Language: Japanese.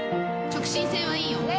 直進性はいいよ。